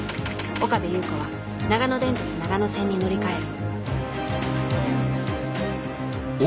岡部祐子は長野電鉄長野線に乗り換える